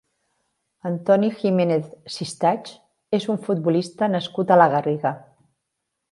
Antoni Jiménez Sistachs és un futbolista nascut a la Garriga.